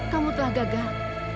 kamu telah gagal